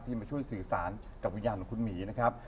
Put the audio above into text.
มาช่วยสื่อสารกับวิญญาณของคุณหมีนะครับ